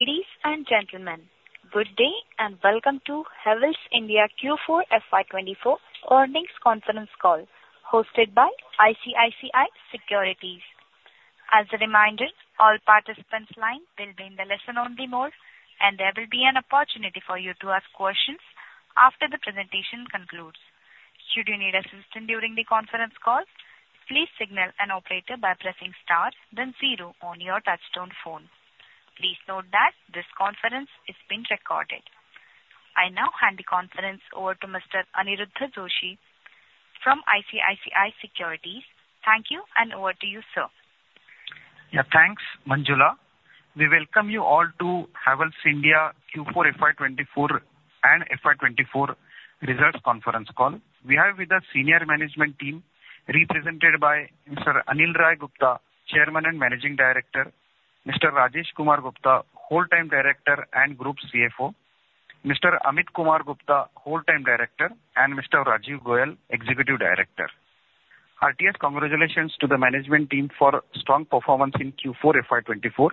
Ladies and gentlemen, good day and welcome to Havells India Q4 FY 2024 earnings conference call hosted by ICICI Securities. As a reminder, all participants' lines will be in the listen-only mode, and there will be an opportunity for you to ask questions after the presentation concludes. Should you need assistance during the conference call, please signal an operator by pressing star, then zero on your touchtone phone. Please note that this conference is being recorded. I now hand the conference over to Mr. Aniruddha Joshi from ICICI Securities. Thank you, and over to you, sir. Yeah, thanks, Manjula. We welcome you all to Havells India Q4 FY 2024 and FY 2024 results conference call. We have with us senior management team represented by Mr. Anil Rai Gupta, Chairman and Managing Director; Mr. Rajesh Kumar Gupta, Whole-time Director and Group CFO; Mr. Ameet Kumar Gupta, Whole-time Director; and Mr. Rajiv Goel, Executive Director. Heartiest, congratulations to the management team for strong performance in Q4 FY 2024.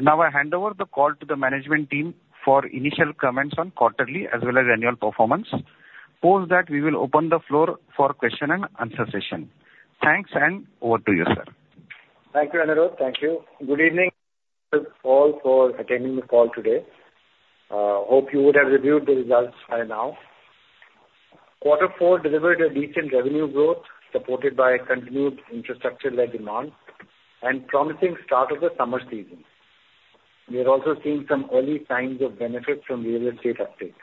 Now I hand over the call to the management team for initial comments on quarterly as well as annual performance. Post that; we will open the floor for question-and-answer session. Thanks, and over to you, sir. Thank you, Aniruddha. Thank you. Good evening to all for attending the call today. Hope you would have reviewed the results by now. Quarter four delivered a decent revenue growth supported by continued infrastructure-led demand and promising start of the summer season. We are also seeing some early signs of benefits from real estate updates.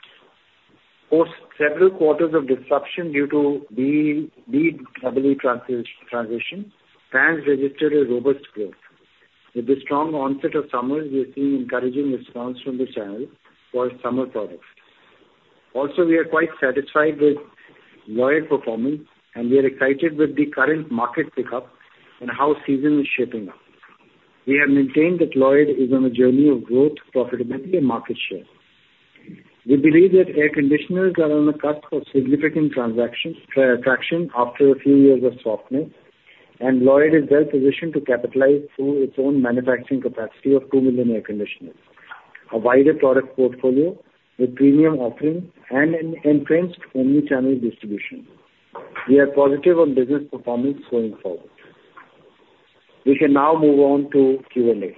Post several quarters of disruption due to BEE transition, fans registered a robust growth. With the strong onset of summer, we are seeing encouraging response from the channel for summer products. Also, we are quite satisfied with Lloyd's performance, and we are excited with the current market pickup and how season is shaping up. We have maintained that Lloyd is on a journey of growth, profitability, and market share. We believe that air conditioners are on the cusp of significant attraction after a few years of softness, and Lloyd is well positioned to capitalize through its own manufacturing capacity of 2 million air conditioners, a wider product portfolio with premium offerings, and an entrenched omnichannel distribution. We are positive on business performance going forward. We can now move on to Q&A.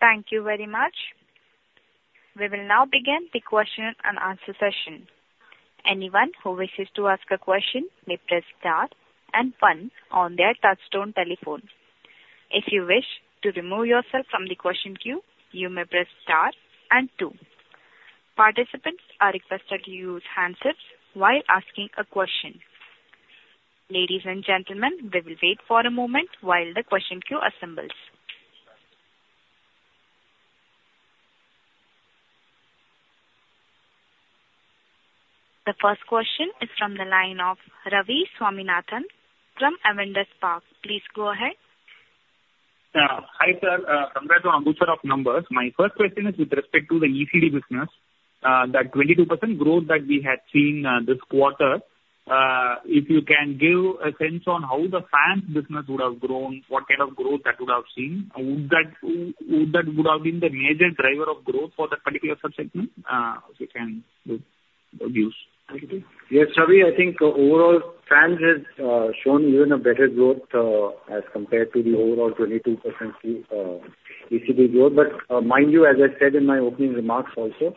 Thank you very much. We will now begin the question-and-answer session. Anyone who wishes to ask a question may press star and one on their touch tone telephone. If you wish to remove yourself from the question queue, you may press star and two. Participants are requested to use handsets while asking a question. Ladies and gentlemen, we will wait for a moment while the question queue assembles. The first question is from the line of Ravi Swaminathan from Avendus Spark. Please go ahead. Yeah, hi sir. From the bunch of numbers, my first question is with respect to the ECD business. That 22% growth that we had seen this quarter, if you can give a sense on how the fans business would have grown, what kind of growth that would have seen, would that have been the major driver of growth for that particular subsegment? If you can give views? Yes, Ravi. I think overall, fans have shown even a better growth as compared to the overall 22% ECD growth. But mind you, as I said in my opening remarks also,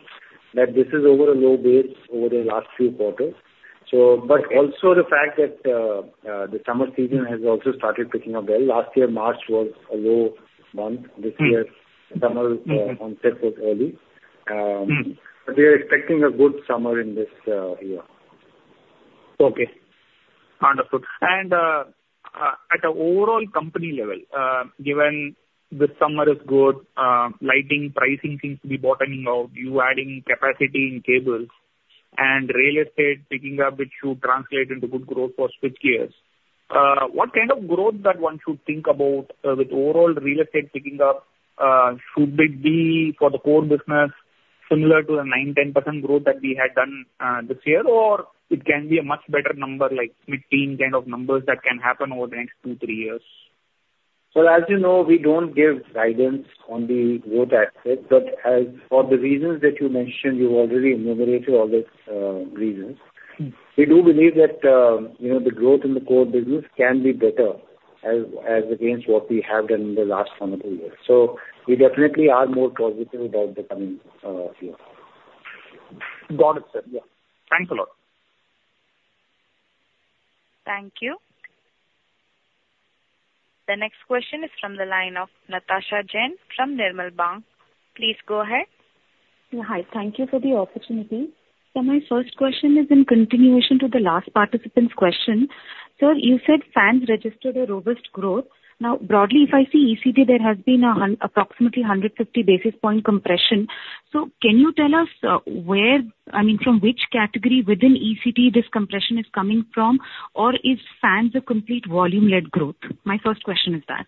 that this is over a low base over the last few quarters. But also the fact that the summer season has also started picking up well. Last year, March was a low month. This year, summer onset was early. But we are expecting a good summer in this year. Okay. Understood. At an overall company level, given the summer is good, lighting, pricing seems to be bottoming out, you adding capacity in cables, and real estate picking up, which should translate into good growth for switchgears, what kind of growth that one should think about with overall real estate picking up? Should it be for the core business similar to the 9%-10% growth that we had done this year, or it can be a much better number, like 15 kind of numbers that can happen over the next two, three years? Well, as you know, we don't give guidance on the growth aspect. But for the reasons that you mentioned, you've already enumerated all those reasons, we do believe that the growth in the core business can be better against what we have done in the last one or two years. So we definitely are more positive about the coming year. Got it, sir. Yeah. Thanks a lot. Thank you. The next question is from the line of Natasha Jain from Nirmal Bang. Please go ahead. Hi. Thank you for the opportunity. So my first question is in continuation to the last participant's question. Sir, you said fans registered a robust growth. Now, broadly, if I see ECD, there has been approximately 150 basis point compression. So can you tell us where, I mean, from which category within ECD this compression is coming from, or is fans a complete volume-led growth? My first question is that.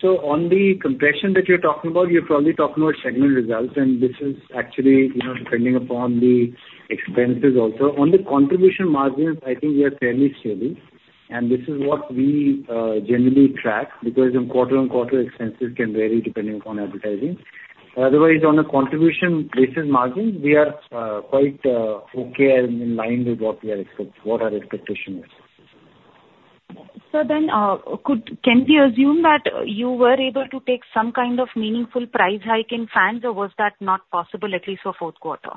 So on the compression that you're talking about, you're probably talking about segment results, and this is actually depending upon the expenses also. On the contribution margins, I think we are fairly steady, and this is what we generally track because from quarter-on-quarter, expenses can vary depending upon advertising. Otherwise, on a contribution-based margin, we are quite okay and in line with what our expectation is. So then can we assume that you were able to take some kind of meaningful price hike in fans, or was that not possible, at least for fourth quarter?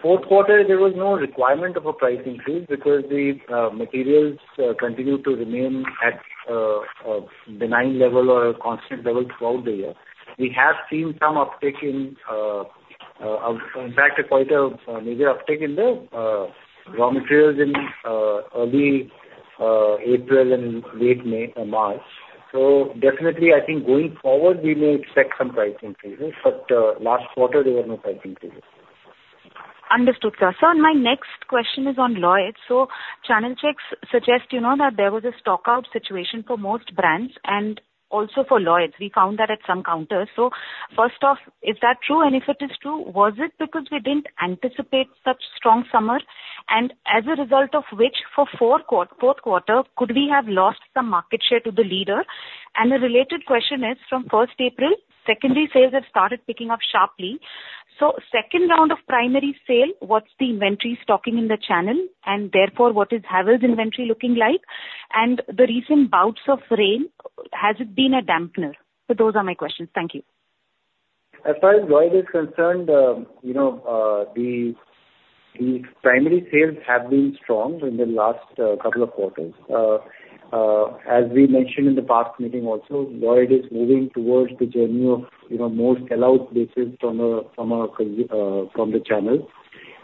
Fourth quarter, there was no requirement of a price increase because the materials continued to remain at a benign level or a constant level throughout the year. We have seen some uptick in, in fact, quite a major uptick in the raw materials in early April and late March. So definitely, I think going forward, we may expect some price increases. But last quarter, there were no price increases. Understood, sir. So my next question is on Lloyd's. So channel checks suggest that there was a stockout situation for most brands and also for Lloyd's. We found that at some counters. So first off, is that true? And if it is true, was it because we didn't anticipate such strong summer, and as a result of which, for fourth quarter, could we have lost some market share to the leader? And the related question is, from 1st April, secondary sales have started picking up sharply. So second round of primary sale, what's the inventory stocking in the channel, and therefore, what is Havells inventory looking like? And the recent bouts of rain, has it been a dampener? So those are my questions. Thank you. As far as Lloyd is concerned, the primary sales have been strong in the last couple of quarters. As we mentioned in the past meeting also, Lloyd is moving towards the journey of more sellout basis from the channel.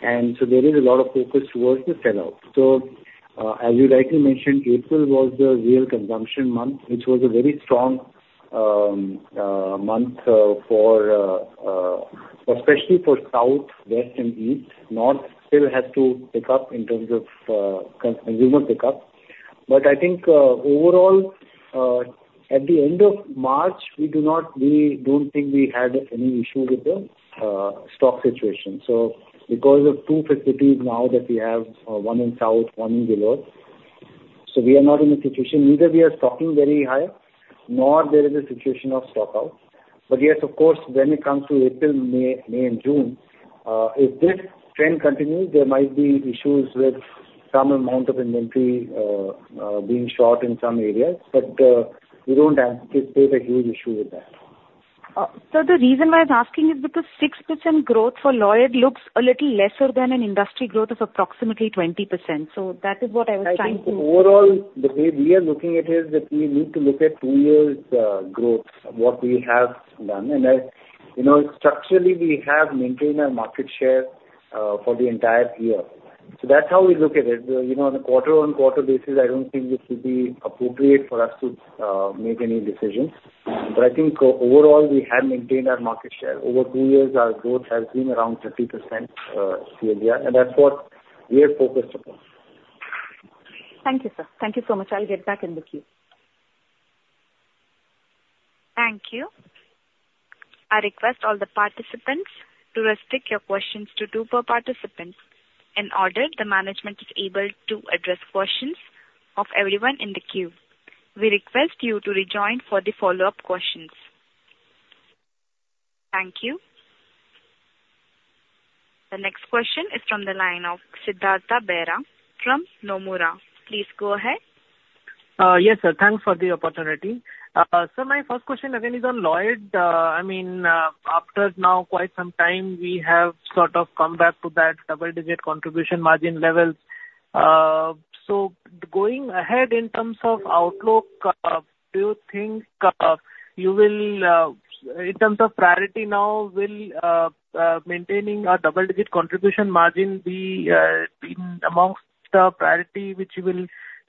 And so there is a lot of focus towards the sellout. So as you rightly mentioned, April was the real consumption month, which was a very strong month, especially for South, West, and East. North still has to pick up in terms of consumer pickup. But I think overall, at the end of March, we don't think we had any issue with the stock situation. So because of two facilities now that we have, one in South, one in Ghiloth, so we are not in a situation neither we are stocking very high nor there is a situation of stockout. But yes, of course, when it comes to April, May, and June, if this trend continues, there might be issues with some amount of inventory being short in some areas. But we don't anticipate a huge issue with that. The reason why I'm asking is because 6% growth for Lloyd looks a little lesser than an industry growth of approximately 20%. So that is what I was trying to. I think overall, the way we are looking at it is that we need to look at two years' growth, what we have done. Structurally, we have maintained our market share for the entire year. That's how we look at it. On a quarter-on-quarter basis, I don't think it would be appropriate for us to make any decisions. I think overall, we have maintained our market share. Over two years, our growth has been around 30% CAGR, and that's what we are focused upon. Thank you, sir. Thank you so much. I'll get back in the queue. Thank you. I request all the participants to restrict your questions to two per participant. In order, the management is able to address questions of everyone in the queue. We request you to rejoin for the follow-up questions. Thank you. The next question is from the line of Siddhartha Bera from Nomura. Please go ahead. Yes, sir. Thanks for the opportunity. So my first question, again, is on Lloyd. I mean, after now quite some time, we have sort of come back to that double-digit contribution margin levels. So going ahead in terms of outlook, do you think you will, in terms of priority now, will maintaining a double-digit contribution margin be amongst the priority which you will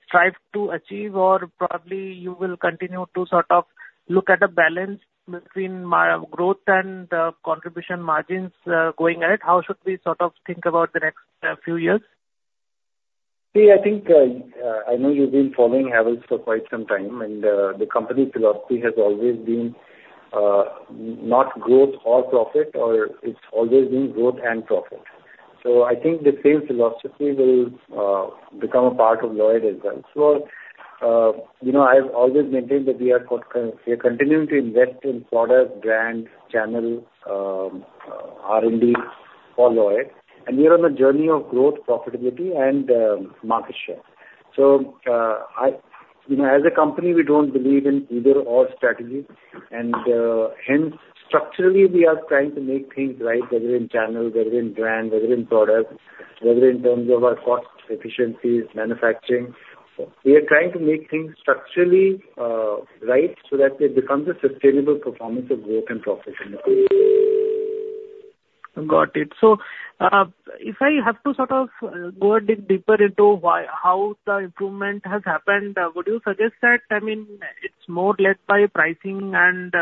strive to achieve, or probably you will continue to sort of look at a balance between growth and the contribution margins going ahead? How should we sort of think about the next few years? See, I know you've been following Havells for quite some time, and the company philosophy has always been not growth or profit, or it's always been growth and profit. So I think the same philosophy will become a part of Lloyd as well. So I've always maintained that we are continuing to invest in products, brands, channels, R&D for Lloyd, and we are on a journey of growth, profitability, and market share. So as a company, we don't believe in either/or strategy. And hence, structurally, we are trying to make things right, whether in channel, whether in brand, whether in products, whether in terms of our cost efficiencies, manufacturing. We are trying to make things structurally right so that they become the sustainable performance of growth and profit in the future. Got it. So if I have to sort of go a deeper into how the improvement has happened, would you suggest that, I mean, it's more led by pricing and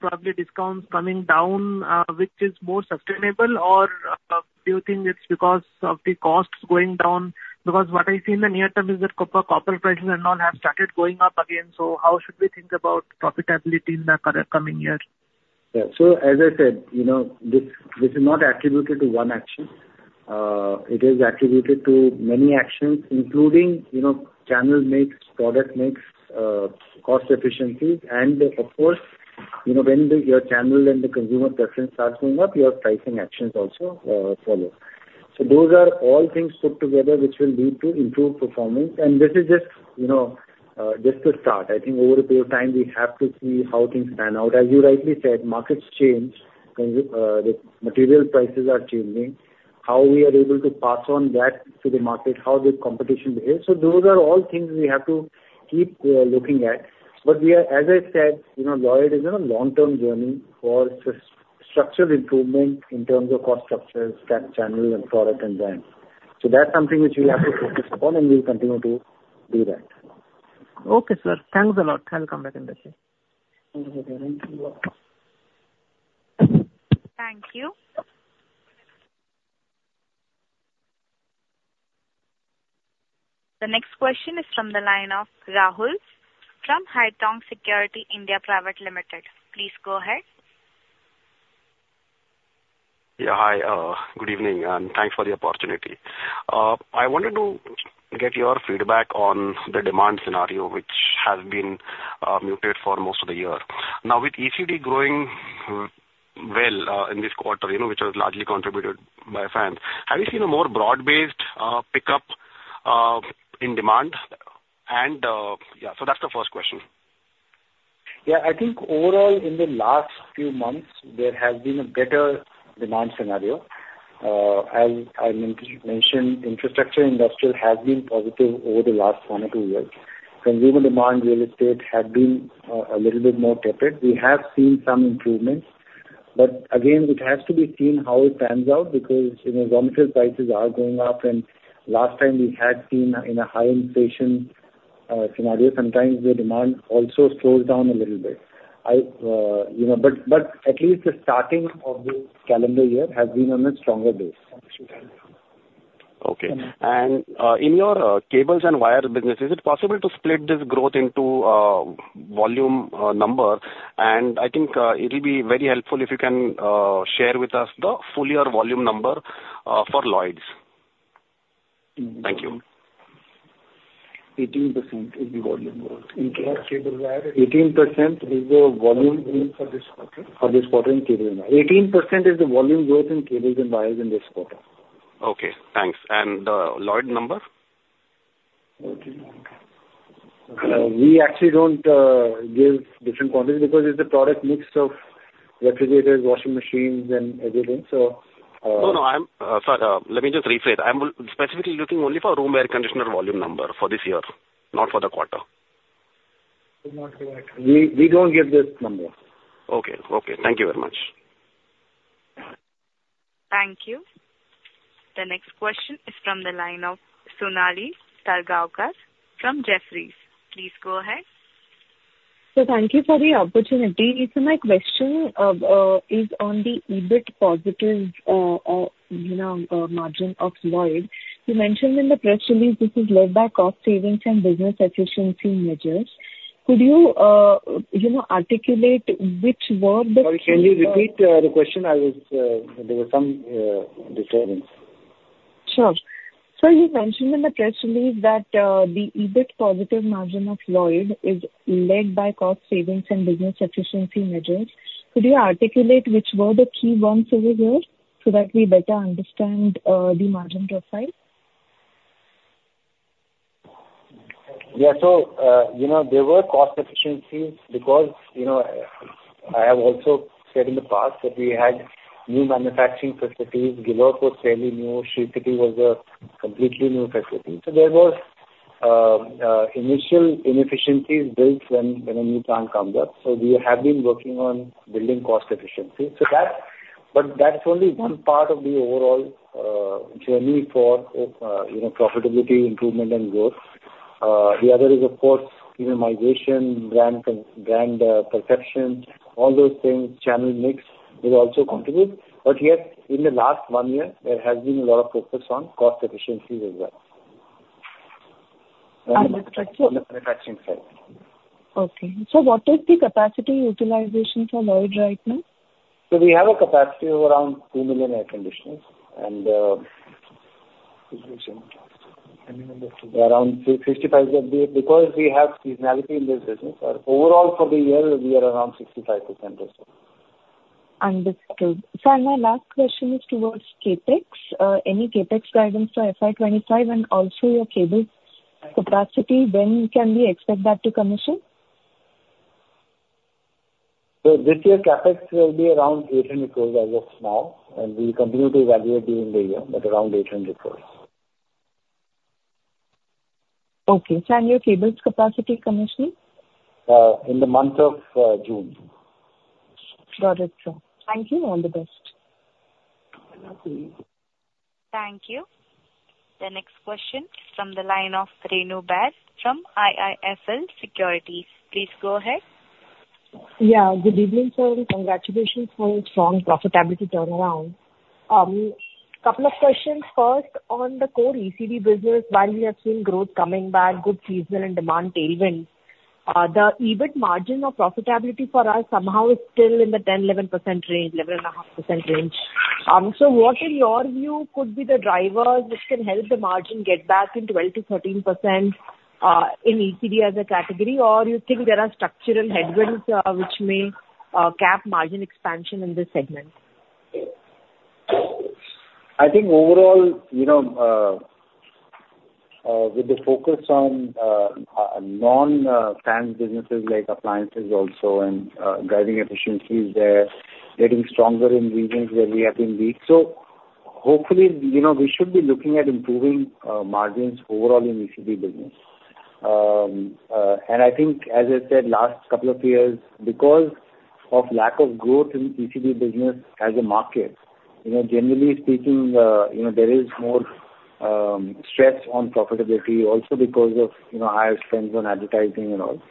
probably discounts coming down, which is more sustainable, or do you think it's because of the costs going down? Because what I see in the near term is that copper prices and all have started going up again. So how should we think about profitability in the coming year? Yeah. So as I said, this is not attributed to one action. It is attributed to many actions, including channel mix, product mix, cost efficiencies. And of course, when your channel and the consumer preference starts going up, your pricing actions also follow. So those are all things put together which will lead to improved performance. And this is just the start. I think over a period of time, we have to see how things pan out. As you rightly said, markets change. The material prices are changing. How we are able to pass on that to the market, how the competition behaves. So those are all things we have to keep looking at. But as I said, Lloyd is on a long-term journey for structural improvement in terms of cost structures, capex, channels, and product and brands. That's something which we have to focus upon, and we'll continue to do that. Okay, sir. Thanks a lot. I'll come back in the queue. Thank you, sir. Thank you a lot. Thank you. The next question is from the line of Rahul from Haitong Securities India Private Limited. Please go ahead. Yeah, hi. Good evening, and thanks for the opportunity. I wanted to get your feedback on the demand scenario, which has been muted for most of the year. Now, with ECD growing well in this quarter, which was largely contributed by fans, have you seen a more broad-based pickup in demand? And yeah, so that's the first question. Yeah, I think overall, in the last few months, there has been a better demand scenario. As I mentioned, infrastructure industrial has been positive over the last one or two years. Consumer demand real estate had been a little bit more tepid. We have seen some improvements. Again, it has to be seen how it pans out because raw material prices are going up. Last time, we had seen in a high inflation scenario, sometimes the demand also slows down a little bit. At least the starting of this calendar year has been on a stronger base. Okay. In your cables and wires business, is it possible to split this growth into volume numbers? I think it will be very helpful if you can share with us the full-year volume number for Lloyd's. Thank you. 18% is the volume growth in cables and wires. 18% is the volume growth for this quarter in cables and wires. 18% is the volume growth in cables and wires in this quarter. Okay. Thanks. And the Lloyd number? We actually don't give different quantities because it's a product mix of refrigerators, washing machines, and everything. So. No, no. Sorry. Let me just rephrase. I'm specifically looking only for room air conditioner volume number for this year, not for the quarter. We don't give this number. Okay. Okay. Thank you very much. Thank you. The next question is from the line of Sonali Salgaonkar from Jefferies. Please go ahead. So thank you for the opportunity. So my question is on the EBIT positive margin of Lloyd's. You mentioned in the press release this is led by cost savings and business efficiency measures. Could you articulate which were the? Sorry, can you repeat the question? There were some disturbance. Sure. So you mentioned in the press release that the EBIT positive margin of Lloyd's is led by cost savings and business efficiency measures. Could you articulate which were the key ones over here so that we better understand the margin profile? Yeah. So there were cost efficiencies because I have also said in the past that we had new manufacturing facilities. Ghiloth was fairly new. Sri City was a completely new facility. So there were initial inefficiencies built when a new plant comes up. So we have been working on building cost efficiency. But that's only one part of the overall journey for profitability, improvement, and growth. The other is, of course, premiumization, brand perception, all those things. Channel mix will also contribute. But yet, in the last one year, there has been a lot of focus on cost efficiencies as well. On the. On the manufacturing side. Okay. So what is the capacity utilization for Lloyd's right now? So we have a capacity of around 2 million air conditioners. Around 65% because we have seasonality in this business. Overall, for the year, we are around 65% or so. Understood. So my last question is towards CapEx. Any CapEx guidance for FY 2025 and also your cables capacity? When can we expect that to commission? This year, CapEx will be around 800 crore as of now. We continue to evaluate during the year, but around 800 crore. Okay. So, and your cables capacity commissioning? In the month of June. Got it, sir. Thank you. All the best. Thank you. The next question is from the line of Renu Baid from IIFL Securities. Please go ahead. Yeah. Good evening, sir. Congratulations for a strong profitability turnaround. Couple of questions first. On the core ECD business, while we have seen growth coming back, good seasonal and demand tailwinds, the EBIT margin or profitability for us somehow is still in the 10%-11% range, 11.5% range. So what, in your view, could be the drivers which can help the margin get back in 12%-13% in ECD as a category, or you think there are structural headwinds which may cap margin expansion in this segment? I think overall, with the focus on non-fans businesses like appliances also and driving efficiencies there, getting stronger in regions where we have been weak. So hopefully, we should be looking at improving margins overall in ECD business. I think, as I said, last couple of years, because of lack of growth in ECD business as a market, generally speaking, there is more stress on profitability also because of higher spends on advertising and all.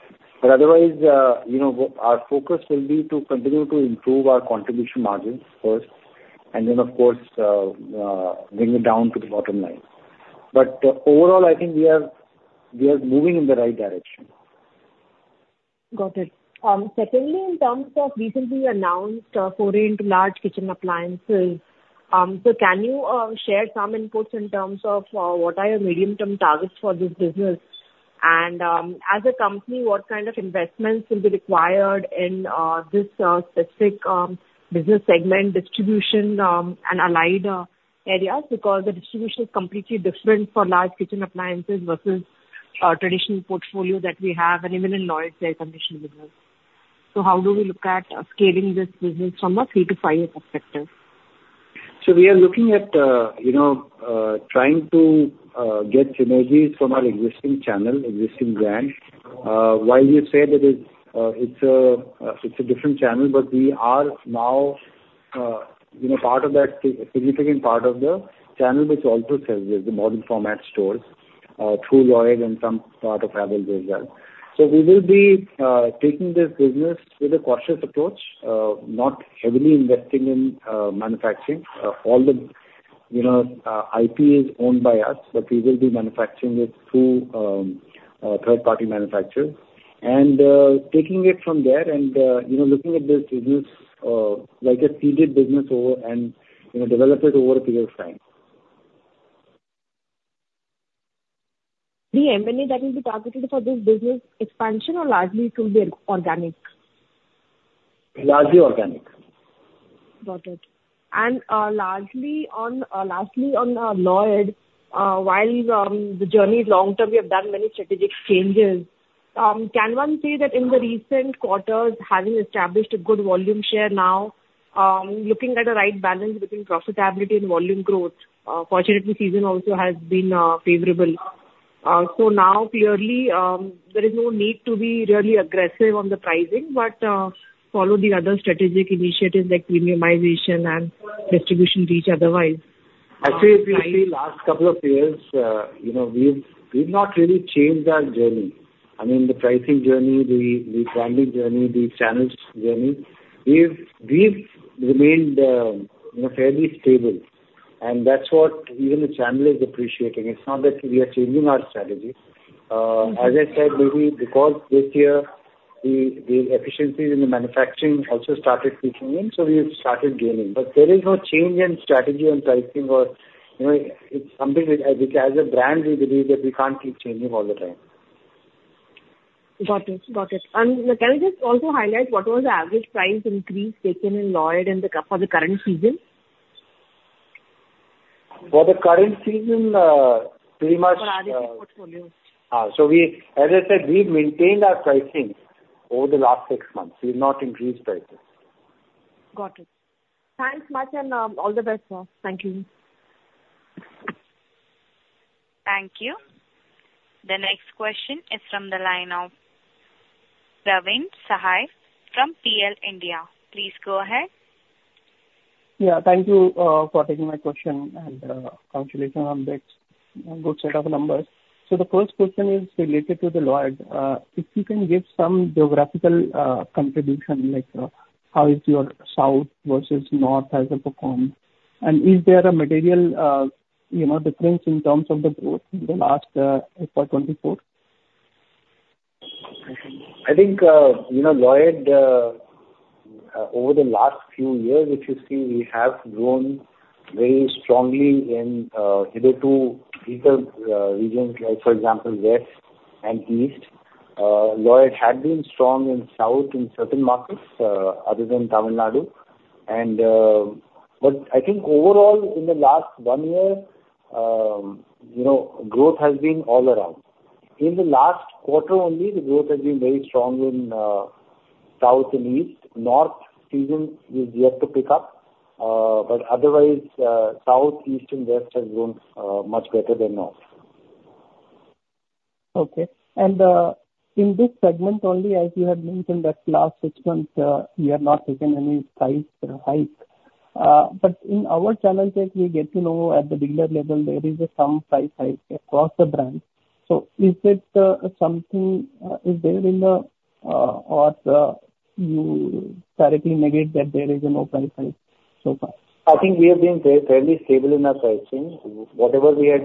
But otherwise, our focus will be to continue to improve our contribution margins first and then, of course, bring it down to the bottom line. But overall, I think we are moving in the right direction. Got it. Secondly, in terms of recently announced foray into large kitchen appliances, so can you share some inputs in terms of what are your medium-term targets for this business? And as a company, what kind of investments will be required in this specific business segment, distribution, and allied areas? Because the distribution is completely different for large kitchen appliances versus a traditional portfolio that we have, and even in Lloyd's air conditioning business. So how do we look at scaling this business from a 3-5 year perspective? So we are looking at trying to get synergies from our existing channel, existing brand. While you say that it's a different channel, but we are now part of that significant part of the channel which also sells this, the modern format stores, through Lloyd and some part of Havells as well. So we will be taking this business with a cautious approach, not heavily investing in manufacturing. All the IP is owned by us, but we will be manufacturing it through third-party manufacturers and taking it from there and looking at this business like a seeded business and develop it over a period of time. The M&A that will be targeted for this business expansion, or largely through the organic? Largely organic. Got it. And lastly, on Lloyd's, while the journey is long-term, we have done many strategic changes. Can one say that in the recent quarters, having established a good volume share now, looking at a right balance between profitability and volume growth, fortunately, season also has been favorable? So now, clearly, there is no need to be really aggressive on the pricing but follow the other strategic initiatives like premiumization and distribution reach otherwise. Actually, if we see last couple of years, we've not really changed our journey. I mean, the pricing journey, the branding journey, the channels journey, we've remained fairly stable. That's what even the channel is appreciating. It's not that we are changing our strategy. As I said, maybe because this year, the efficiencies in the manufacturing also started peaking in, so we have started gaining. There is no change in strategy on pricing. It's something which, as a brand, we believe that we can't keep changing all the time. Got it. Got it. Can I just also highlight what was the average price increase taken in Lloyd's for the current season? For the current season, pretty much. For R&D portfolio? As I said, we've maintained our pricing over the last six months. We've not increased prices. Got it. Thanks much and all the best, sir. Thank you. Thank you. The next question is from the line of Praveen Sahay from PL India. Please go ahead. Yeah. Thank you for taking my question and congratulations on this good set of numbers. So the first question is related to the Lloyd's. If you can give some geographical contribution, like how is your South versus North as a performance? And is there a material difference in terms of the growth in the last FY 2024? I think Lloyd's, over the last few years, if you see, we have grown very strongly in either two regionals, for example, West and East. Lloyd's had been strong in South in certain markets other than Tamil Nadu. But I think overall, in the last one year, growth has been all around. In the last quarter only, the growth has been very strong in South and East. North season is yet to pick up. But otherwise, South, East, and West have grown much better than North. Okay. And in this segment only, as you had mentioned that last six months, we have not taken any price hike. But in our channel check, we get to know at the dealer level, there is some price hike across the brand. So is it something that is there in the offing or you directly negate that there is no price hike so far? I think we have been fairly stable in our pricing. Whatever we had,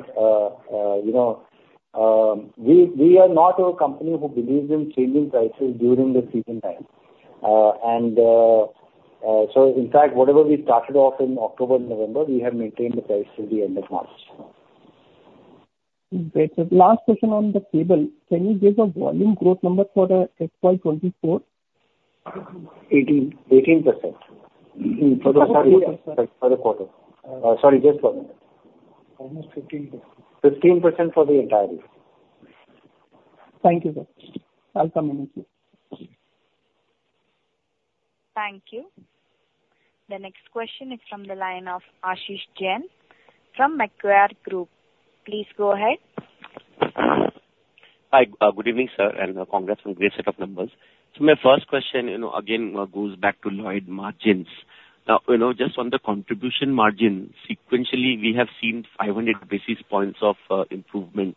we are not a company who believes in changing prices during the season time. And so, in fact, whatever we started off in October and November, we have maintained the price till the end of March. Great. So last question on the cable. Can you give a volume growth number for the FY 2024? 18% for the quarter. Sorry, just one minute. Almost 15%. 15% for the entire year. Thank you, sir. I'll come in a few. Thank you. The next question is from the line of Ashish Jain from Macquarie Group. Please go ahead. Hi. Good evening, sir, and congrats on a great set of numbers. So my first question, again, goes back to Lloyd's margins. Now, just on the contribution margin, sequentially, we have seen 500 basis points of improvement.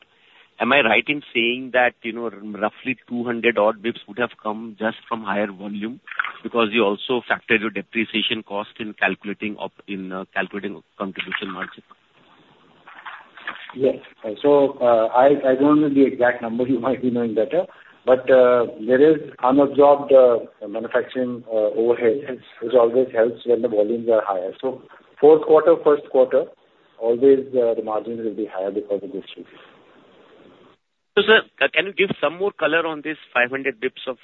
Am I right in saying that roughly 200-odd bps would have come just from higher volume because you also factored your depreciation cost in calculating contribution margin? Yes. So I don't know the exact number. You might be knowing better. But there is unabsorbed manufacturing overhead, which always helps when the volumes are higher. So fourth quarter, first quarter, always the margins will be higher because of this reason. So, sir, can you give some more color on this 500 basis points of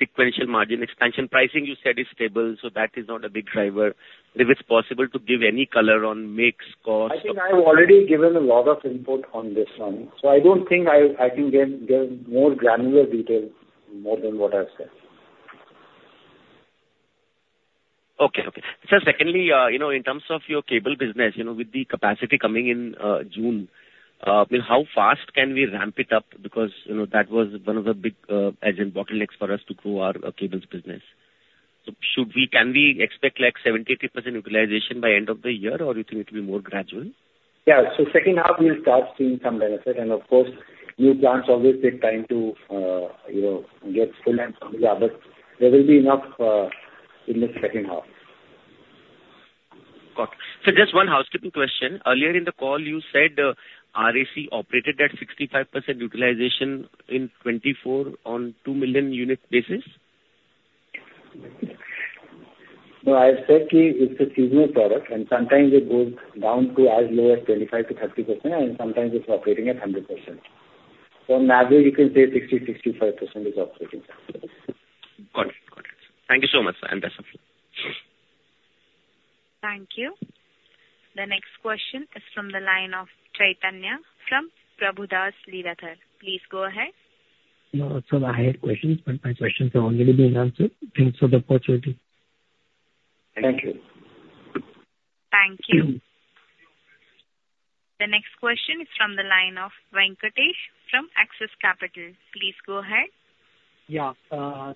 sequential margin expansion? Pricing, you said, is stable, so that is not a big driver. If it's possible to give any color on mix, cost. I think I've already given a lot of input on this one. I don't think I can give more granular details more than what I've said. Okay. Okay. So, secondly, in terms of your cable business, with the capacity coming in June, how fast can we ramp it up? Because that was one of the big bottlenecks for us to grow our cables business. So can we expect 70%-80% utilization by end of the year, or you think it will be more gradual? Yeah. Second half, we'll start seeing some benefit. Of course, new plants always take time to get full and familiar, but there will be enough in the second half. Got it. So just one housekeeping question. Earlier in the call, you said RAC operated at 65% utilization in 2024 on a 2 million unit basis? No, I said it's a seasonal product, and sometimes it goes down to as low as 25%-30%, and sometimes it's operating at 100%. So on average, you can say 60%-65% is operating at. Got it. Got it. Thank you so much, sir, and best of luck. Thank you. The next question is from the line of Chaitanya from Prabhudas Lilladher. Please go ahead. Sir, I have questions, but my questions have already been answered. Thanks for the opportunity. Thank you. Thank you. The next question is from the line of Venkatesh from Axis Capital. Please go ahead. Yeah.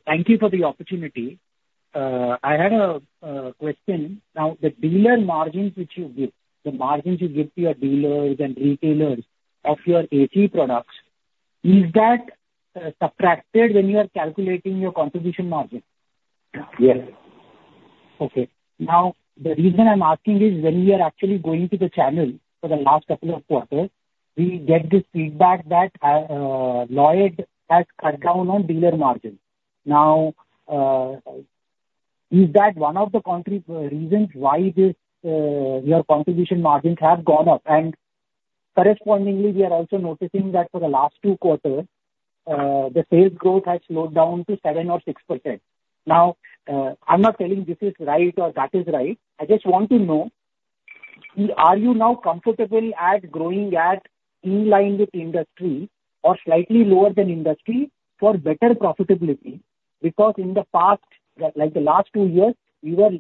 Thank you for the opportunity. I had a question. Now, the dealer margins which you give, the margins you give to your dealers and retailers of your AC products, is that subtracted when you are calculating your contribution margin? Yes. Okay. Now, the reason I'm asking is when we are actually going to the channel for the last couple of quarters, we get this feedback that Lloyd's has cut down on dealer margins. Now, is that one of the reasons why your contribution margins have gone up? And correspondingly, we are also noticing that for the last two quarters, the sales growth has slowed down to 7% or 6%. Now, I'm not telling this is right or that is right. I just want to know, are you now comfortable at growing in line with industry or slightly lower than industry for better profitability? Because in the past, the last two years, we were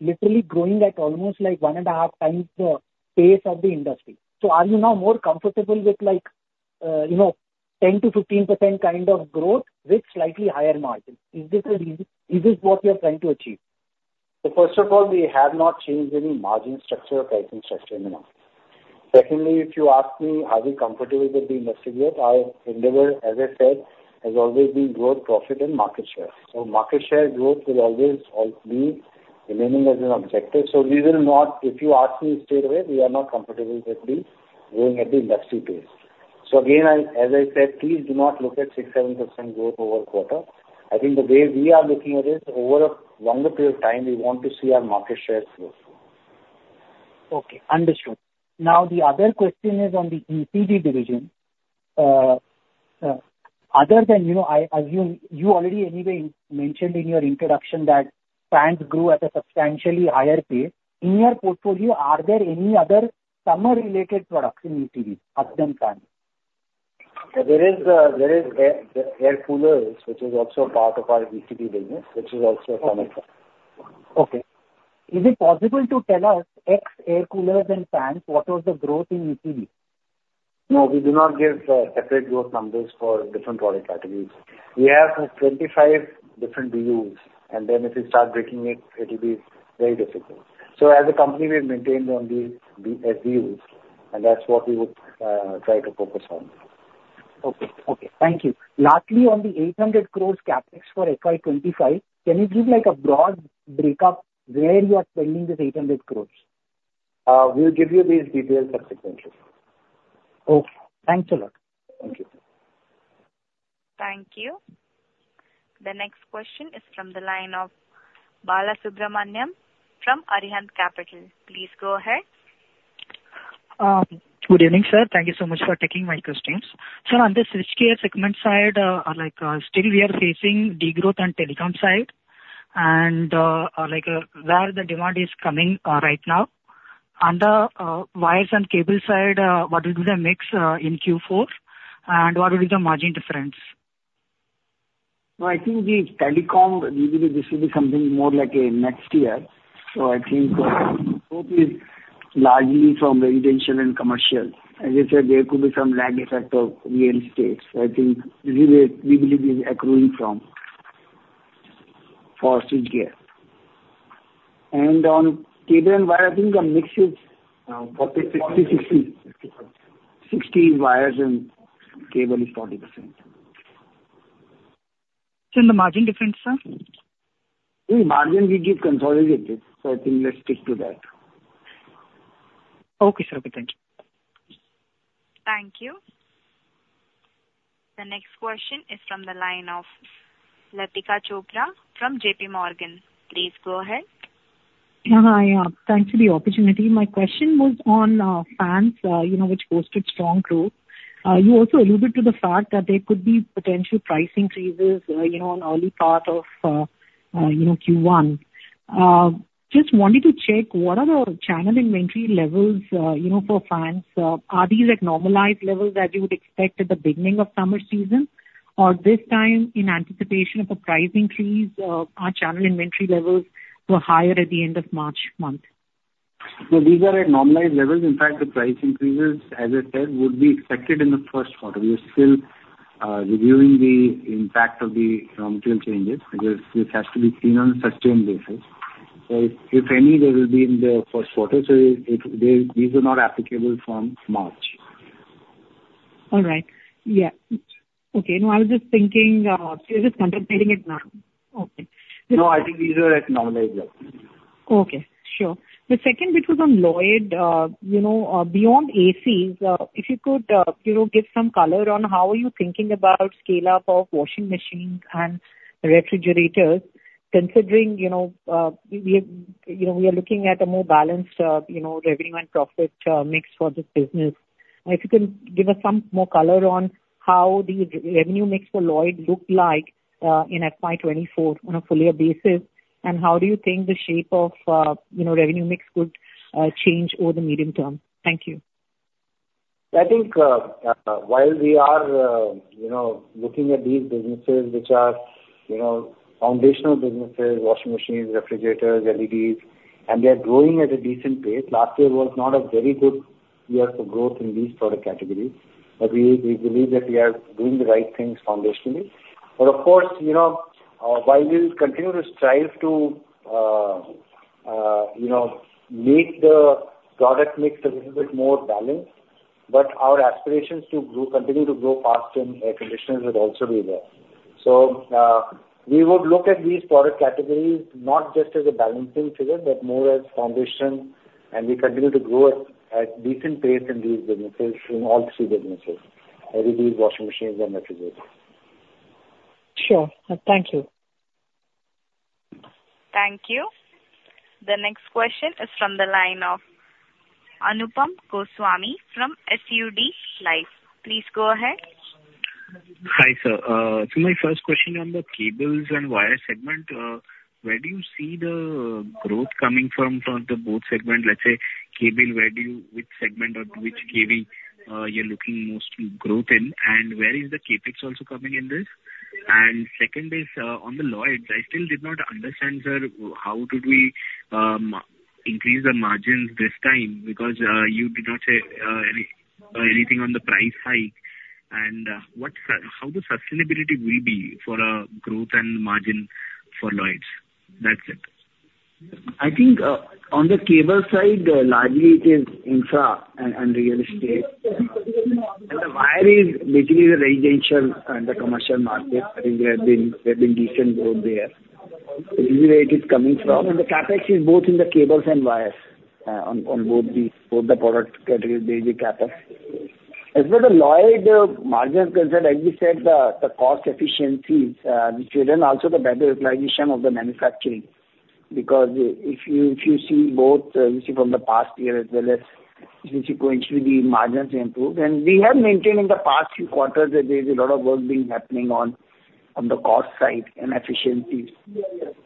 literally growing at almost 1.5x the pace of the industry. So are you now more comfortable with 10%-15% kind of growth with slightly higher margins? Is this what you're trying to achieve? So first of all, we have not changed any margin structure or pricing structure in the market. Secondly, if you ask me how we're comfortable with the industry growth, our endeavor, as I said, has always been growth, profit, and market share. So market share growth will always be remaining as an objective. So we will not, if you ask me straight away, we are not comfortable with growing at the industry pace. So again, as I said, please do not look at 6%-7% growth over a quarter. I think the way we are looking at it is over a longer period of time, we want to see our market share growth. Okay. Understood. Now, the other question is on the ECD division. Other than you already anyway mentioned in your introduction that fans grew at a substantially higher pace. In your portfolio, are there any other summer-related products in ECDs other than fans? There is air coolers, which is also part of our ECD business, which is also summer products. Okay. Is it possible to tell us ex air coolers and fans, what was the growth in ECDs? No, we do not give separate growth numbers for different product categories. We have 25 different BUs, and then if we start breaking it, it will be very difficult. So as a company, we have maintained on these as BUs, and that's what we would try to focus on. Okay. Okay. Thank you. Lastly, on the 800 crore CapEx for FY 2025, can you give a broad breakup where you are spending this 800 crore? We'll give you these details subsequently. Okay. Thanks a lot. Thank you. Thank you. The next question is from the line of Balasubramanian from Arihant Capital. Please go ahead. Good evening, sir. Thank you so much for taking my questions. Sir, on the switchgear segment side, still we are facing degrowth on telecom side and where the demand is coming right now. On the wires and cable side, what will be the mix in Q4, and what will be the margin difference? No, I think the telecom, this will be something more like next year. So I think growth is largely from residential and commercial. As I said, there could be some lag effect of real estate. So I think this is where we believe it is accruing from for switchgear. And on cable and wire, I think the mix is 40%, 60%. 60% is wires and cable is 40%. The margin difference, sir? Margin, we give consolidated. So I think let's stick to that. Okay, sir. Okay. Thank you. Thank you. The next question is from the line of Latika Chopra from JPMorgan. Please go ahead. Hi, yeah. Thanks for the opportunity. My question was on fans, which boasted strong growth. You also alluded to the fact that there could be potential pricing freezes on the early part of Q1. Just wanted to check, what are the channel inventory levels for fans? Are these normalized levels that you would expect at the beginning of summer season, or this time, in anticipation of a pricing freeze, are channel inventory levels higher at the end of March month? No, these are at normalized levels. In fact, the price increases, as I said, would be expected in the first quarter. We are still reviewing the impact of the raw material changes. This has to be seen on a sustained basis. So if any, there will be in the first quarter. So these are not applicable from March. All right. Yeah. Okay. No, I was just thinking we're just contemplating it now. Okay. No, I think these are at normalized levels. Okay. Sure. The second bit was on Lloyd's. Beyond ACs, if you could give some color on how are you thinking about scale-up of washing machines and refrigerators, considering we are looking at a more balanced revenue and profit mix for this business. If you can give us some more color on how the revenue mix for Lloyd's looked like in FY 2024 on a fuller basis, and how do you think the shape of revenue mix could change over the medium term? Thank you. I think while we are looking at these businesses, which are foundational businesses, washing machines, refrigerators, LEDs, and they are growing at a decent pace. Last year was not a very good year for growth in these product categories. But we believe that we are doing the right things foundationally. But of course, while we continue to strive to make the product mix a little bit more balanced, our aspirations to continue to grow faster in air conditioners will also be there. So we would look at these product categories not just as a balancing figure, but more as foundation, and we continue to grow at decent pace in these businesses, in all three businesses: LEDs, washing machines, and refrigerators. Sure. Thank you. Thank you. The next question is from the line of Anupam Goswami from SUD Life. Please go ahead. Hi, sir. So my first question on the cables and wire segment, where do you see the growth coming from for the both segments? Let's say cable, which segment or which KV you're looking most growth in, and where is the CapEx also coming in this? And second is on the Lloyd's, I still did not understand, sir, how did we increase the margins this time because you did not say anything on the price hike. And how the sustainability will be for growth and margin for Lloyd's? That's it. I think on the cable side, largely, it is infra and real estate. The wire is basically the residential and the commercial market. I think there have been decent growth there. This is where it is coming from. The CapEx is both in the cables and wires on both the product categories. There is a CapEx. As for the Lloyd's margins, as we said, the cost efficiencies, which we are doing, also the better utilization of the manufacturing. Because if you see both, you see from the past year as well as since you go into the margins improved. We have maintained in the past few quarters that there is a lot of work being happening on the cost side and efficiencies.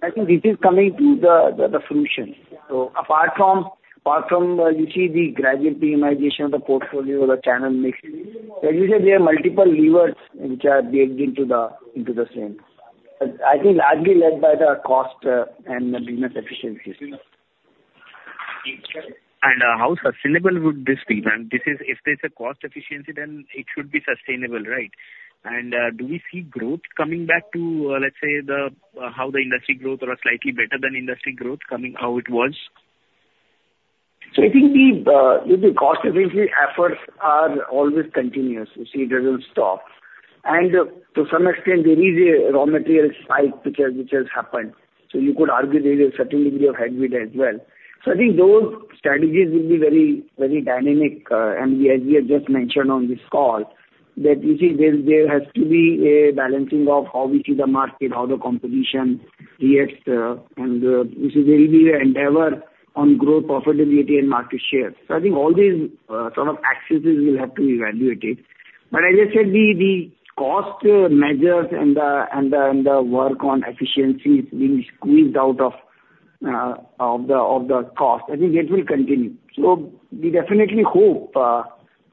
I think this is coming to the fruition. Apart from, you see, the gradual minimization of the portfolio or the channel mix, as you said, there are multiple levers which are baked into the same. I think largely led by the cost and the business efficiencies. And how sustainable would this be? If there's a cost efficiency, then it should be sustainable, right? And do we see growth coming back to, let's say, how the industry growth or slightly better than industry growth coming how it was? So I think the cost efficiency efforts are always continuous. You see, it doesn't stop. And to some extent, there is a raw materials hike which has happened. So you could argue there is a certain degree of headwind as well. So I think those strategies will be very dynamic. And as we have just mentioned on this call, that you see, there has to be a balancing of how we see the market, how the competition reacts. And this will be an endeavor on growth, profitability, and market share. So I think all these sort of axes will have to be evaluated. But as I said, the cost measures and the work on efficiencies being squeezed out of the cost, I think it will continue. So we definitely hope that,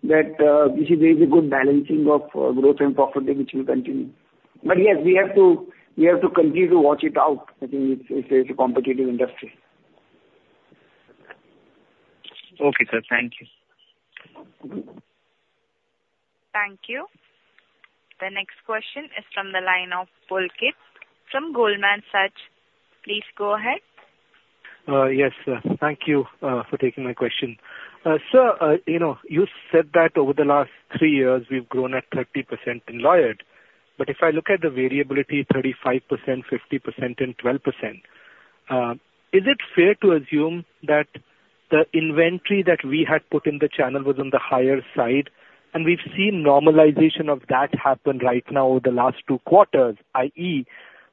you see, there is a good balancing of growth and profitability which will continue. Yes, we have to continue to watch it out. I think it's a competitive industry. Okay, sir. Thank you. Thank you. The next question is from the line of Pulkit from Goldman Sachs. Please go ahead. Yes, sir. Thank you for taking my question. Sir, you said that over the last three years, we've grown at 30% in Lloyd's. But if I look at the variability, 35%, 50%, and 12%, is it fair to assume that the inventory that we had put in the channel was on the higher side? And we've seen normalization of that happen right now over the last two quarters, i.e.,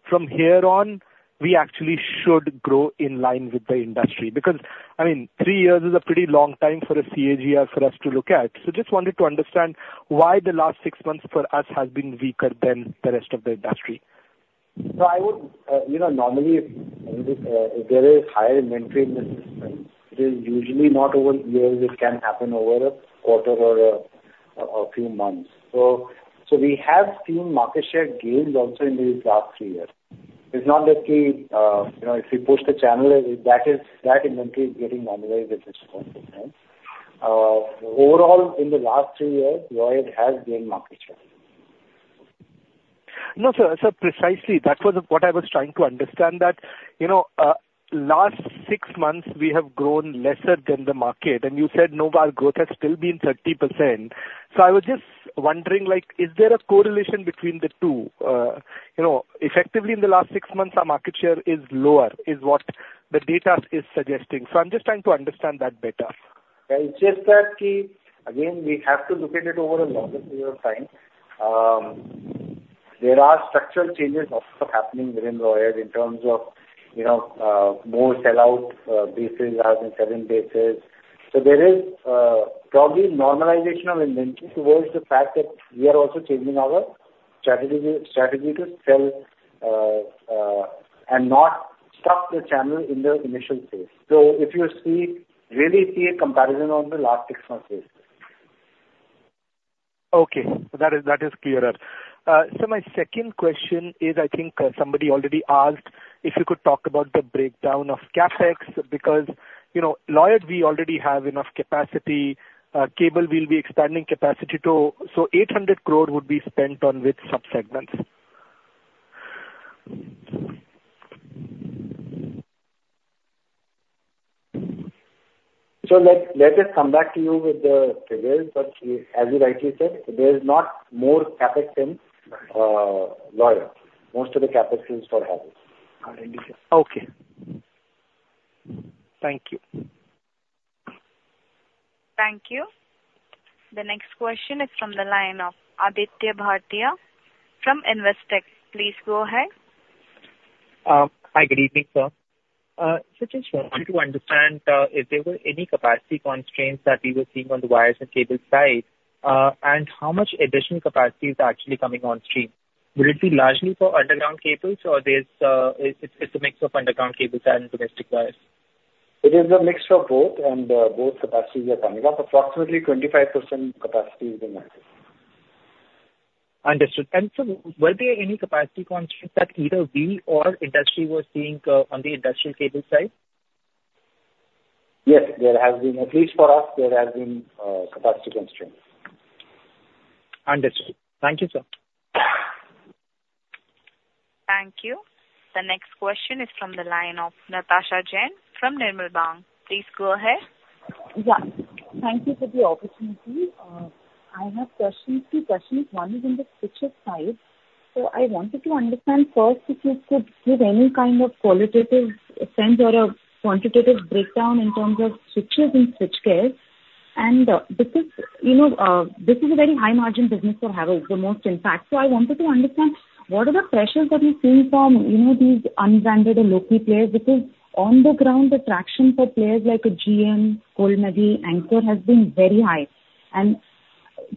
from here on, we actually should grow in line with the industry. Because, I mean, three years is a pretty long time for a CAGR for us to look at. So just wanted to understand why the last six months for us has been weaker than the rest of the industry. So I would normally, if there is higher inventory in the system, it is usually not over years. It can happen over a quarter or a few months. So we have seen market share gains also in these last three years. It's not that if we push the channel, that inventory is getting normalized at this point in time. Overall, in the last three years, Lloyd's has gained market share. No, sir. So precisely, that was what I was trying to understand, that last six months, we have grown lesser than the market. And you said overall growth has still been 30%. So I was just wondering, is there a correlation between the two? Effectively, in the last six months, our market share is lower is what the data is suggesting. So I'm just trying to understand that better. It's just that, again, we have to look at it over a longer period of time. There are structural changes also happening within Lloyd's in terms of more sellout bases rather than selling bases. So there is probably normalization of inventory towards the fact that we are also changing our strategy to sell and not stuff the channel in the initial phase. So if you really see a comparison on the last six months' basis. Okay. That is clearer. So my second question is, I think somebody already asked if you could talk about the breakdown of CapEx because Lloyd's, we already have enough capacity. Cable, we'll be expanding capacity too. So 800 crore would be spent on which subsegments? Let us come back to you with the figures. As you rightly said, there is not more CapEx in Lloyd's. Most of the CapEx is for Havells. Okay. Thank you. Thank you. The next question is from the line of Aditya Bhartia from Investec. Please go ahead. Hi. Good evening, sir. So just wanted to understand if there were any capacity constraints that we were seeing on the wires and cable side and how much additional capacity is actually coming on stream. Will it be largely for underground cables, or it's a mix of underground cables and domestic wires? It is a mix of both, and both capacities are coming up. Approximately 25% capacity is being accessed. Understood. And so were there any capacity constraints that either we or industry were seeing on the industrial cable side? Yes. At least for us, there has been capacity constraints. Understood. Thank you, sir. Thank you. The next question is from the line of Natasha Jain from Nirmal Bang. Please go ahead. Yeah. Thank you for the opportunity. I have two questions. One is on the switches side. So I wanted to understand first if you could give any kind of qualitative sense or a quantitative breakdown in terms of switches and switchgears. And this is a very high-margin business for Havells, the most in fact. So I wanted to understand, what are the pressures that you're seeing from these unbranded or low-key players? Because on the ground, the traction for players like GM, Goldmedal, Anchor has been very high. And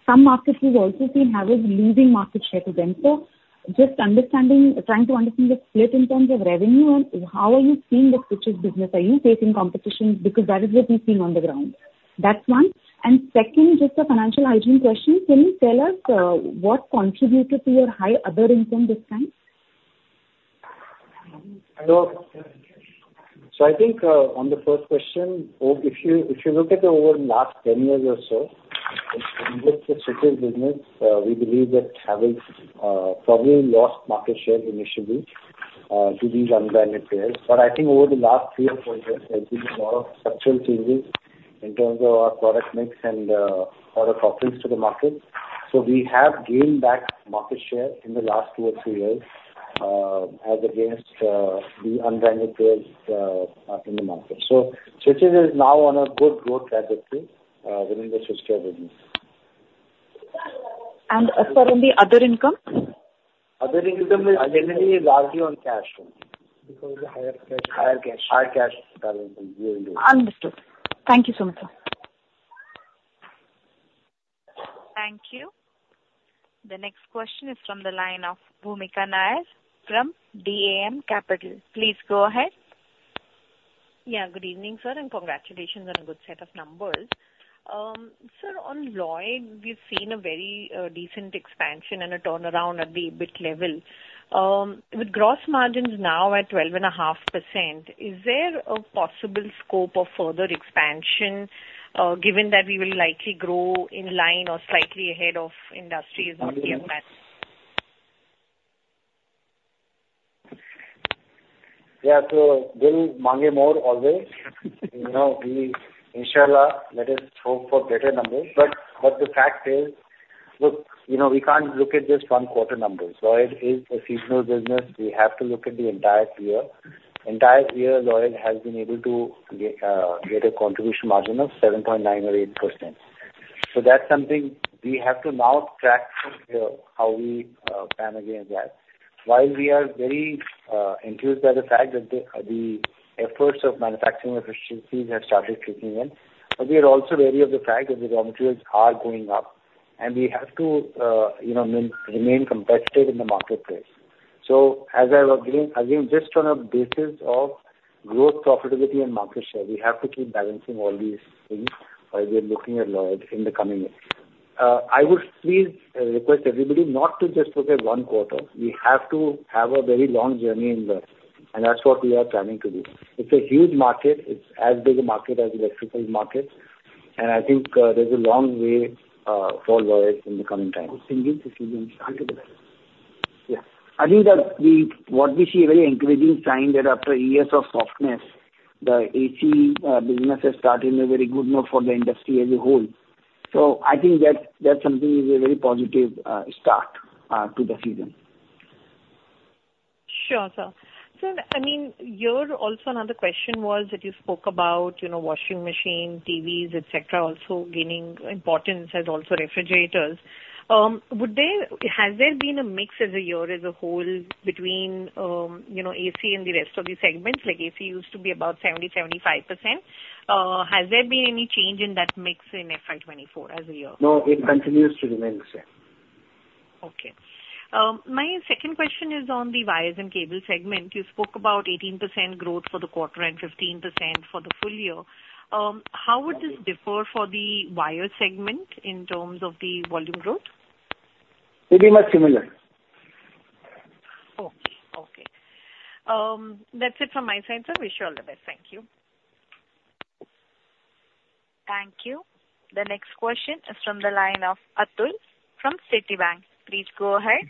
some markets have also seen Havells losing market share to them. So just trying to understand the split in terms of revenue, and how are you seeing the switches business? Are you facing competition? Because that is what we've seen on the ground. That's one. And second, just a financial hygiene question. Can you tell us what contributed to your high other income this time? So I think on the first question, if you look at over the last 10 years or so, with the switches business, we believe that Havells probably lost market share initially to these unbranded players. But I think over the last three or four years, there's been a lot of structural changes in terms of our product mix and product offerings to the market. So we have gained back market share in the last two or three years against the unbranded players in the market. So switches is now on a good growth trajectory within the switchgear business. Sir, on the other income? Other income is generally largely on cash. Because the higher cash. Higher cash. Higher cash currently, yearly. Understood. Thank you so much, sir. Thank you. The next question is from the line of Bhoomika Nair from DAM Capital. Please go ahead. Yeah. Good evening, sir, and congratulations on a good set of numbers. Sir, on Lloyd's, we've seen a very decent expansion and a turnaround at the EBIT level. With gross margins now at 12.5%, is there a possible scope of further expansion given that we will likely grow in line or slightly ahead of industry is what we have planned? Yeah. So we'll deliver more always. Inshallah, let us hope for better numbers. But the fact is, look, we can't look at just one quarter numbers. Lloyd is a seasonal business. We have to look at the entire year. Entire year, Lloyd has been able to get a contribution margin of 7.9% or 8%. So that's something we have to now track how we plan against that. While we are very enthused by the fact that the efforts of manufacturing efficiencies have started kicking in, but we are also wary of the fact that the raw materials are going up, and we have to remain competitive in the marketplace. So as I was giving, again, just on a basis of growth, profitability, and market share, we have to keep balancing all these things while we are looking at Lloyd's in the coming years. I would please request everybody not to just look at one quarter. We have to have a very long journey in this, and that's what we are planning to do. It's a huge market. It's as big a market as the electrical market. I think there's a long way for Lloyd's in the coming times. Single systems used on the marketplace. Yeah. I think that what we see is a very encouraging sign that after years of softness, the AC business has started in a very good mood for the industry as a whole. So I think that something is a very positive start to the season. Sure, sir. Sir, I mean, you also another question was that you spoke about washing machines, TVs, etc., also gaining importance as also refrigerators. Has there been a mix as a year as a whole between AC and the rest of these segments? AC used to be about 70%-75%. Has there been any change in that mix in FY 2024 as a year? No, it continues to remain the same. Okay. My second question is on the wires and cables segment. You spoke about 18% growth for the quarter and 15% for the full year. How would this differ for the wires segment in terms of the volume growth? Pretty much similar. Okay. Okay. That's it from my side, sir. Wish you all the best. Thank you. Thank you. The next question is from the line of Atul from Citibank. Please go ahead.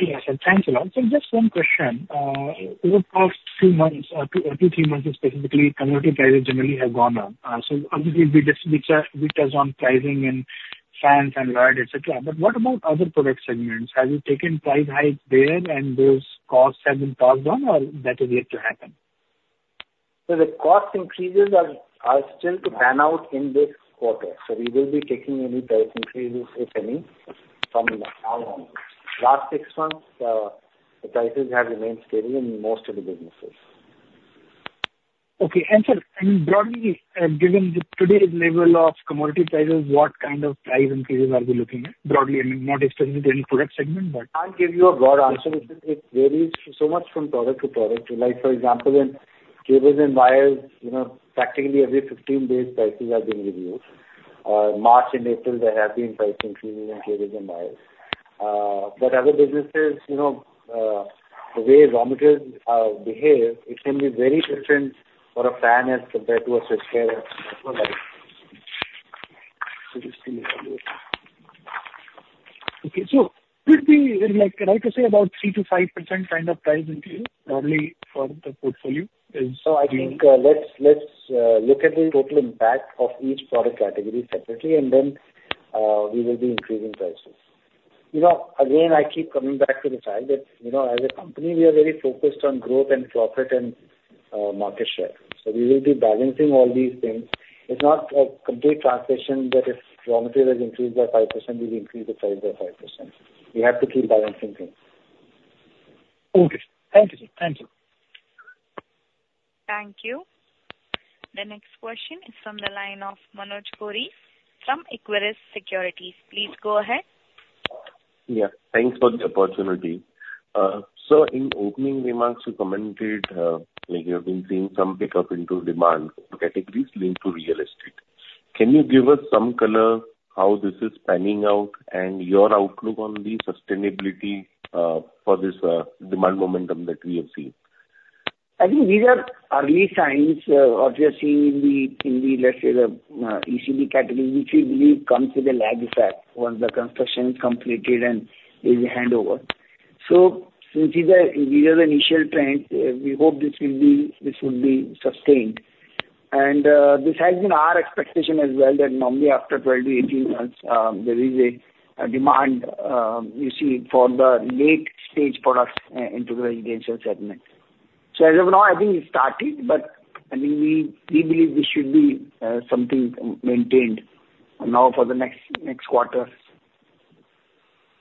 Yes, sir. Thanks a lot. So just one question. Over the past few months, 2-3 months specifically, commodity prices generally have gone up. So obviously, we touch on pricing in fans and Lloyd's, etc. But what about other product segments? Have you taken price hikes there, and those costs have been passed on, or that is yet to happen? So the cost increases are still to pan out in this quarter. So we will be taking any price increases, if any, from now on. Last six months, the prices have remained steady in most of the businesses. Okay. Sir, I mean, broadly, given today's level of commodity prices, what kind of price increases are we looking at broadly? I mean, not specifically any product segment, but. I can't give you a broad answer. It varies so much from product to product. For example, in cables and wires, practically every 15 days, prices are being reviewed. March and April, there have been price increases in cables and wires. But other businesses, the way raw materials behave, it can be very different for a fan as compared to a switchgear as well. So, just to evaluate. Okay. So, could we like to say about 3%-5% kind of price increase probably for the portfolio? So I think let's look at the total impact of each product category separately, and then we will be increasing prices. Again, I keep coming back to the fact that as a company, we are very focused on growth and profit and market share. So we will be balancing all these things. It's not a complete transition that if raw material has increased by 5%, we will increase the price by 5%. We have to keep balancing things. Okay. Thank you, sir. Thank you. Thank you. The next question is from the line of Manoj Gori from Equirus Securities. Please go ahead. Yeah. Thanks for the opportunity. Sir, in opening remarks, you commented you have been seeing some pickup into demand categories linked to real estate. Can you give us some color how this is panning out and your outlook on the sustainability for this demand momentum that we have seen? I think these are early signs of what we are seeing in the, let's say, the ECD category, which we believe comes with a lag effect once the construction is completed and is a handover. So since these are initial trends, we hope this would be sustained. And this has been our expectation as well that normally, after 12-18 months, there is a demand you see for the late-stage products into the residential segment. So as of now, I think it started, but I think we believe this should be something maintained now for the next quarter.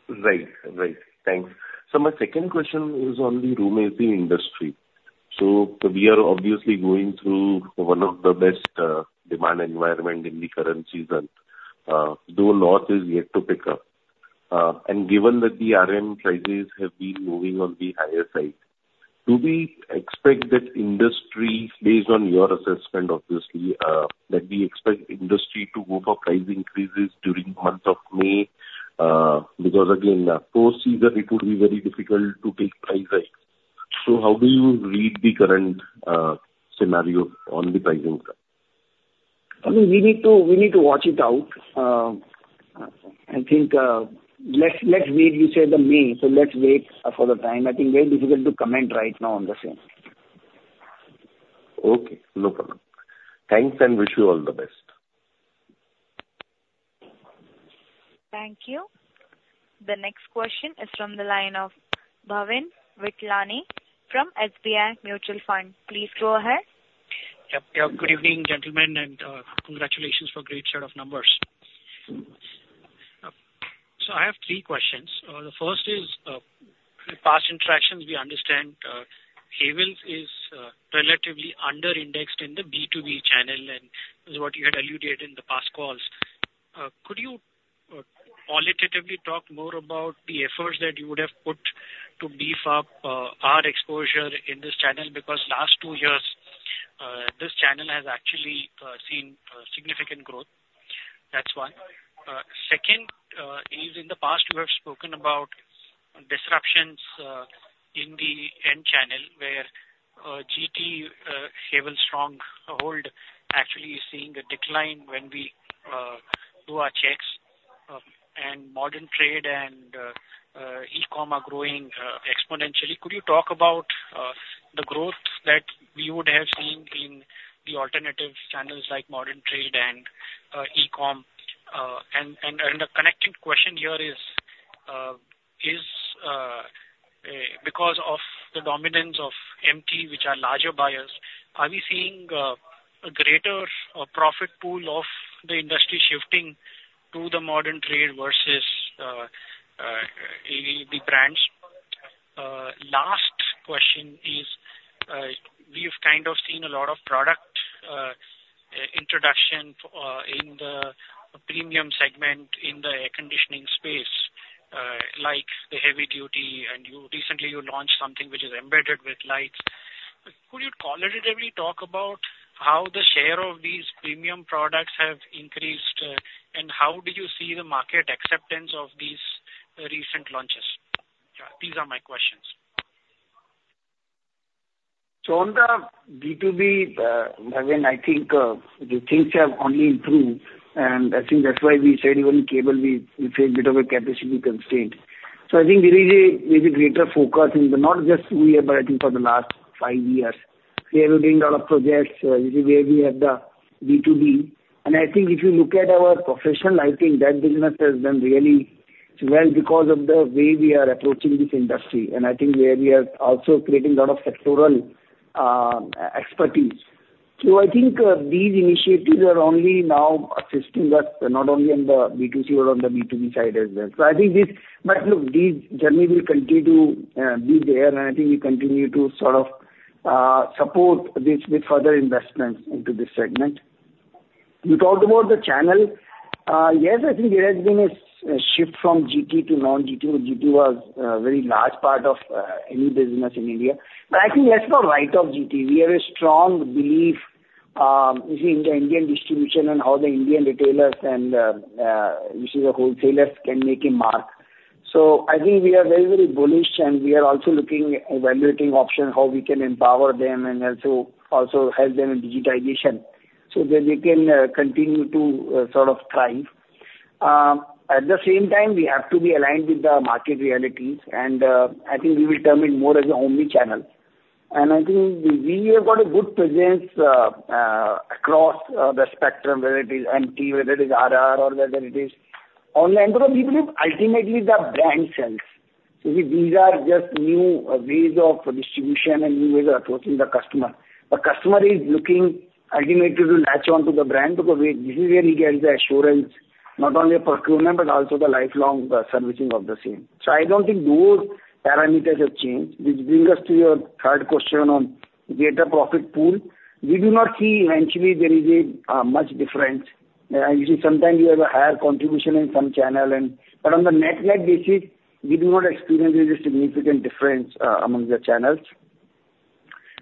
Right. Right. Thanks. So my second question is on the room AC industry. So we are obviously going through one of the best demand environments in the current season, though North is yet to pick up. And given that the RM prices have been moving on the higher side, do we expect that industry, based on your assessment, obviously, that we expect industry to go for price increases during the month of May? Because again, post-season, it would be very difficult to take price hikes. So how do you read the current scenario on the pricing side? I mean, we need to watch it out. I think let's wait. You said the May, so let's wait for the time. I think it's very difficult to comment right now on the same. Okay. No problem. Thanks and wish you all the best. Thank you. The next question is from the line of Bhavin Vithlani from SBI Mutual Fund. Please go ahead. Yeah. Good evening, gentlemen, and congratulations for a great set of numbers. So I have three questions. The first is, in past interactions, we understand Havells is relatively under-indexed in the B2B channel, and it was what you had alluded to in the past calls. Could you qualitatively talk more about the efforts that you would have put to beef up our exposure in this channel? Because last two years, this channel has actually seen significant growth. That's one. Second is, in the past, you have spoken about disruptions in the end channel where GT Havells stronghold actually is seeing a decline when we do our checks. And modern trade and e-commerce are growing exponentially. Could you talk about the growth that we would have seen in the alternative channels like modern trade and e-commerce? The connecting question here is, because of the dominance of MT, which are larger buyers, are we seeing a greater profit pool of the industry shifting to the modern trade versus the brands? Last question is, we have kind of seen a lot of product introduction in the premium segment in the air conditioning space, like the Heavy Duty. And recently, you launched something which is embedded with lights. Could you qualitatively talk about how the share of these premium products has increased, and how do you see the market acceptance of these recent launches? These are my questions. So, on the B2B, Bhavin, I think the things have only improved. And I think that's why we said even cable, we feel a bit of a capacity constraint. So I think there is a greater focus in the not just two years, but I think for the last five years. We have been doing a lot of projects. This is where we have the B2B. And I think if you look at our portfolio, I think that business has done really well because of the way we are approaching this industry. And I think where we are also creating a lot of sectoral expertise. So I think these initiatives are only now assisting us not only on the B2C but on the B2B side as well. So I think this but look, this journey will continue to be there, and I think we continue to sort of support this with further investments into this segment. You talked about the channel. Yes, I think there has been a shift from GT to non-GT. GT was a very large part of any business in India. But I think that's not right of GT. We have a strong belief in the Indian distribution and how the Indian retailers and the wholesalers can make a mark. So I think we are very, very bullish, and we are also looking, evaluating options, how we can empower them and also help them in digitization so that they can continue to sort of thrive. At the same time, we have to be aligned with the market realities. And I think we will turn it more as an omnichannel. I think we have got a good presence across the spectrum, whether it is MT, whether it is RR, or whether it is online. Because we believe ultimately, the brand sells. So these are just new ways of distribution and new ways of approaching the customer. The customer is looking ultimately to latch onto the brand because this is where he gets the assurance, not only a procurement but also the lifelong servicing of the same. So I don't think those parameters have changed, which brings us to your third question on greater profit pool. We do not see eventually there is much difference. Sometimes, you have a higher contribution in some channel. But on the net-net basis, we do not experience a significant difference among the channels.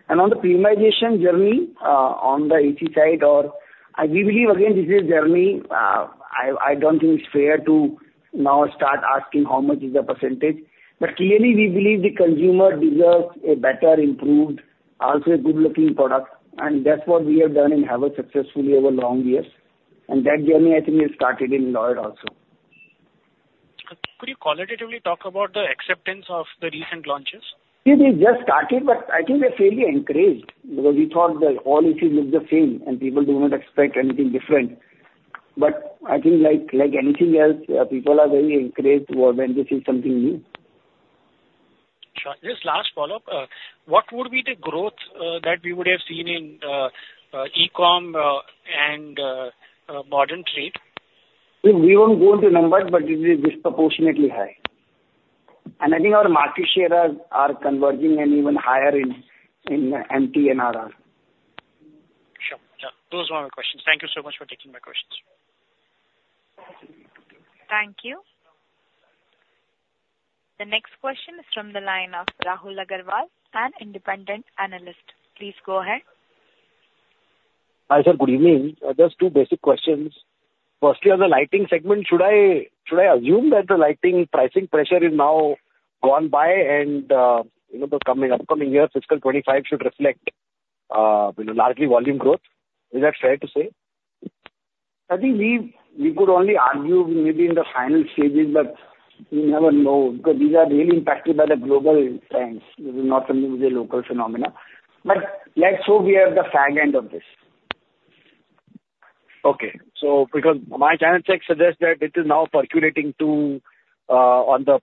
On the premiumization journey on the AC side, or we believe, again, this is a journey. I don't think it's fair to now start asking how much is the percentage. But clearly, we believe the consumer deserves a better, improved, also a good-looking product. And that's what we have done and have successfully over long years. And that journey, I think, has started in Lloyd also. Could you qualitatively talk about the acceptance of the recent launches? It has just started, but I think they're fairly encouraged because we thought that all ACs look the same, and people do not expect anything different. But I think like anything else, people are very encouraged when they see something new. Sure. Just last follow-up. What would be the growth that we would have seen in e-commerce and modern trade? We won't go into numbers, but it is disproportionately high. I think our market shares are converging and even higher in MT and RR. Sure. Yeah. Those were my questions. Thank you so much for taking my questions. Thank you. The next question is from the line of Rahul Agarwal and Independent Analyst. Please go ahead. Hi, sir. Good evening. Just two basic questions. Firstly, on the lighting segment, should I assume that the lighting pricing pressure is now gone by, and the upcoming year, fiscal 2025, should reflect largely volume growth? Is that fair to say? I think we could only argue maybe in the final stages, but you never know because these are really impacted by the global trends. This is not something which is a local phenomenon. Let's hope we are at the fag end of this. Okay. So because my channel checks suggest that it is now percolating to the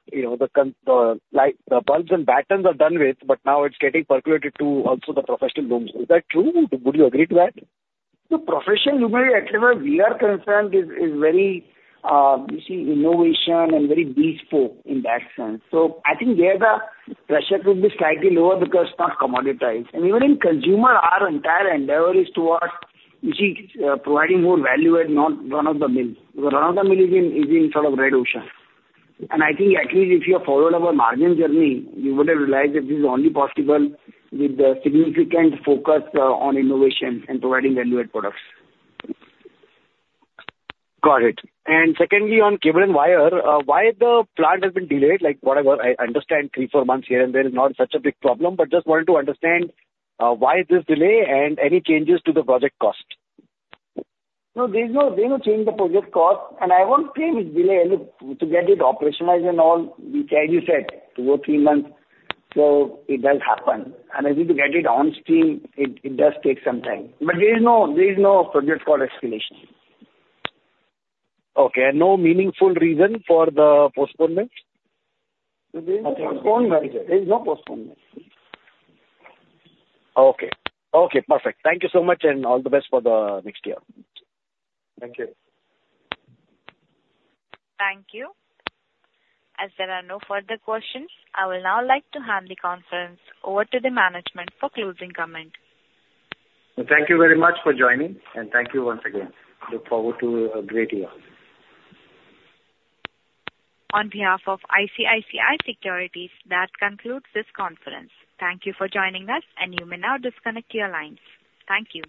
bulbs and battens are done with, but now it's getting percolated to also the professional luminaires. Is that true? Would you agree to that? The professional luminarie, at least where we are concerned, is very, you see, innovation and very bespoke in that sense. So I think there the pressure could be slightly lower because it's not commoditized. And even in consumer, our entire endeavor is towards, you see, providing more value and not run-of-the-mill because run-of-the-mill is in sort of red ocean. And I think at least if you have followed our margin journey, you would have realized that this is only possible with significant focus on innovation and providing value-added products. Got it. Secondly, on cable and wire, why the plant has been delayed? Whatever, I understand three or four months here and there is not such a big problem, but just wanted to understand why this delay and any changes to the project cost. No, there's no change in the project cost. I won't claim it's delayed. Look, to get it operationalized and all, which as you said, two or three months, so it does happen. I think to get it on-stream, it does take some time. There is no project cost escalation. Okay. And no meaningful reason for the postponement? There is no postponement. Okay. Okay. Perfect. Thank you so much, and all the best for the next year. Thank you. Thank you. As there are no further questions, I will now like to hand the conference over to the management for closing comment. Thank you very much for joining, and thank you once again. Look forward to a great year. On behalf of ICICI Securities, that concludes this conference. Thank you for joining us, and you may now disconnect your lines. Thank you.